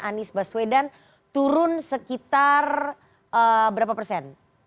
anies baswedan turun sekitar berapa persen